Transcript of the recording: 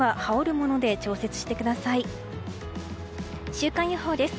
週間予報です。